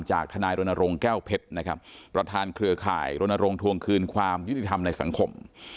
ทนายรณรงค์แก้วเพชรนะครับประธานเครือข่ายรณรงค์ทวงคืนความยุติธรรมในสังคม